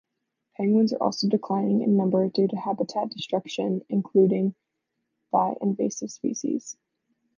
Penguins are also declining in numbers due to habitat destruction including by invasive species.